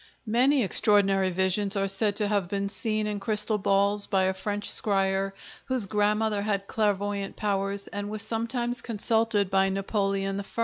Many extraordinary visions are said to have been seen in crystal balls by a French scryer whose grandmother had clairvoyant powers and was sometimes consulted by Napoleon I.